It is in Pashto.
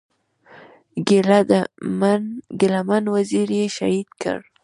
ګيله من وزير یې شهید کړ.